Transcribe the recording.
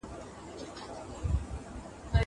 امادګي د ښوونکي له خوا منظم کيږي!!